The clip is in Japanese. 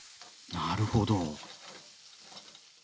なるほど。